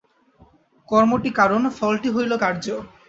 কর্মটি কারণ, ফলটি হইল কার্য।